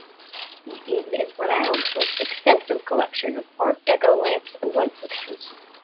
Egan is renowned for his extensive collection of art deco lamps and light fixtures.